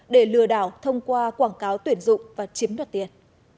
để lừa đảo thông qua quảng cáo tuyển dụng và chiếm đoạt tiền